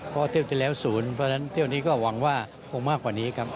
เพราะเที่ยวที่แล้วศูนย์เพราะฉะนั้นเที่ยวนี้ก็หวังว่าคงมากกว่านี้ครับ